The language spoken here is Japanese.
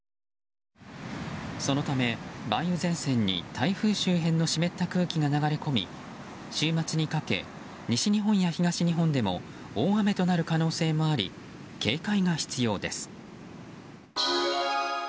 そのため、梅雨前線に台風周辺の湿った空気が流れ込み週末にかけ、西日本や東日本でも大雨となる可能性もあり警戒が必要です。